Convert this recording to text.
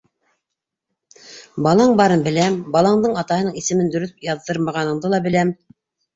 Балаң барын беләм, балаңдың атаһының исемен дөрөҫ яҙҙырмағаныңды ла беләм.